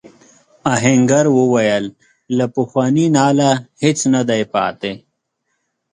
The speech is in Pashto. آهنګر وویل له پخواني ناله هیڅ نه دی پاتې.